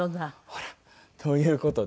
ほら。という事で。